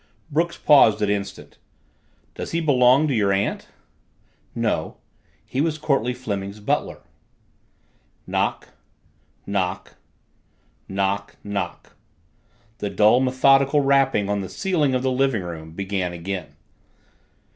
Brooks paused an instant. "Does he belong to your aunt?" "No. He was Courtleigh Fleming's butler." Knock knock knock knock the dull, methodical rapping on the ceiling of the living room began again.